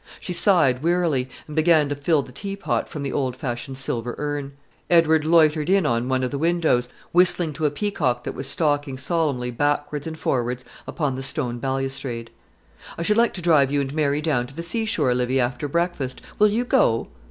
She sighed wearily, and began to fill the tea pot from the old fashioned silver urn. Edward loitered in one of the windows, whistling to a peacock that was stalking solemnly backwards and forwards upon the stone balustrade. "I should like to drive you and Mary down to the seashore, Livy, after breakfast. Will you go?"